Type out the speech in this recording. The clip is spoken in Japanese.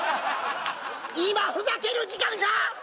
今ふざける時間か？